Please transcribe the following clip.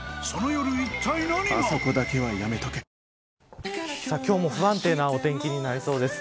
わかるぞ今日も不安定な天気になりそうです。